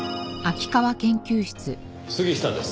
杉下です。